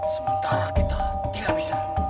sementara kita tidak bisa